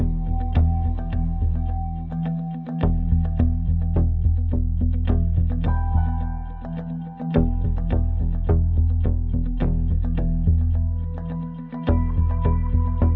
มค